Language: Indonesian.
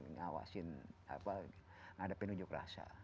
ngawasin ada penunjuk rasa